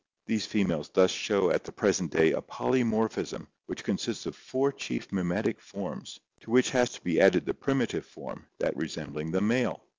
These females thus show at the present day a polymorphism which consists of four chief mimetic forms, to which has to be added the primitive form — that resembling the male.